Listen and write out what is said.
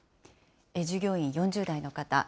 従業員、４０代の方。